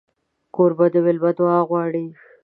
کوربه د مېلمه دعا غواړي.